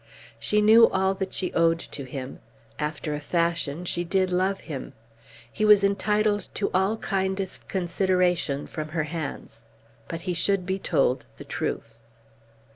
She knew all that she owed to him. After a fashion she did love him. He was entitled to all kindest consideration from her hands. But he should be told the truth.